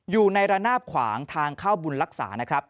อยู่ในระนาบขวางทางเข้าบุญรักษานะครับ